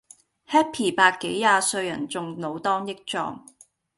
Happy 伯幾廿歲人仲老當益壯